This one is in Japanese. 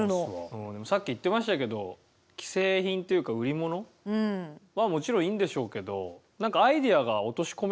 もうでもさっき言ってましたけど既製品というか売り物はもちろんいいんでしょうけどきっとこういう。